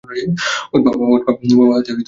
ওর বাবা হাতে রক্তের দাগ লক্ষ্য করে।